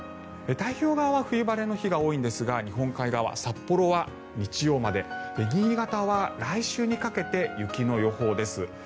太平洋側は冬晴れの日が多いんですが日本海側、札幌は日曜まで新潟は来週にかけて雪の予報です。